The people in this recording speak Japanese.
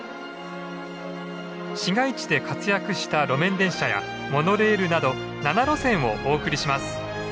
市街地で活躍した路面電車やモノレールなど７路線をお送りします。